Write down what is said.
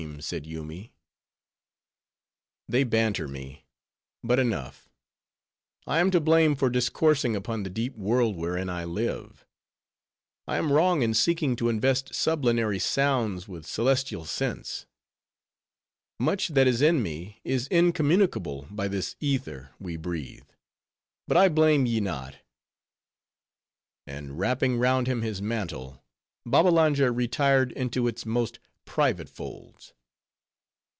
"I dreamed a dream," said Yoomy. "They banter me; but enough; I am to blame for discoursing upon the deep world wherein I live. I am wrong in seeking to invest sublunary sounds with celestial sense. Much that is in me is incommunicable by this ether we breathe. But I blame ye not." And wrapping round him his mantle, Babbalanja retired into its most private folds.